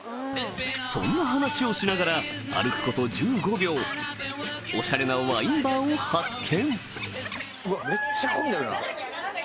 そんな話をしながら歩くこと１５秒おしゃれなワインバーを発見